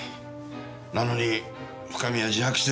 なのに深見は自白してる。